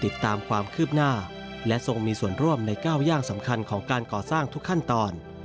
ติดตามความคืบหน้าและทรงมีส่วนร่วมในก้าวย่างสำคัญของการก่อสร้างทุกขั้นตอน